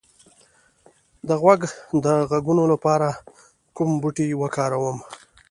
د غوږ د غږونو لپاره کوم بوټی وکاروم؟